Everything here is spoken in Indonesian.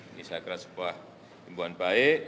ini saya kira sebuah imbuan baik